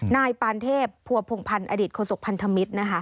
นายปาณเทพผัวผงพันธ์อดิตโคสกพันธมิตร